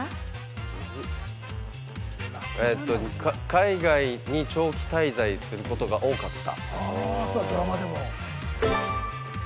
海外に長期滞在することが多かった。